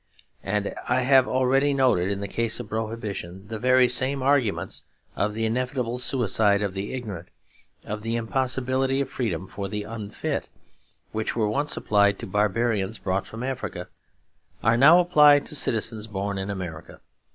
As I have already noted in the case of Prohibition, the very same arguments of the inevitable suicide of the ignorant, of the impossibility of freedom for the unfit, which were once applied to barbarians brought from Africa are now applied to citizens born in America.